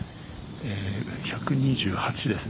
１２８です